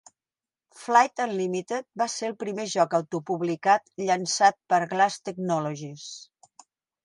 "Flight Unlimited" va ser el primer joc autopublicat llançat per Glass Technologies.